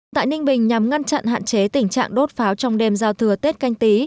tại ninh bình nhằm ngăn chặn hạn chế tình trạng đốt pháo trong đêm giao thừa tết canh tí